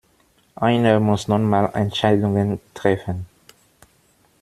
Einer muss nun mal Entscheidungen treffen.